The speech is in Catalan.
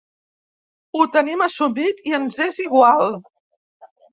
Ho tenim assumit i ens és igual.